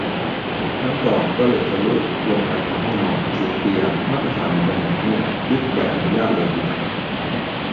ครั้งก่อนก็เหล็กทะลุลงไปในห้องนอน เฉียดเตียง มาตรฐานอยู่ตรงไหนเนี่ย ยึดใบอนุญาตเลยดีไหม